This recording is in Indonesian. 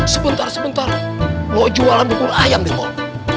sebentar sebentar mau jualan bubur ayam di tol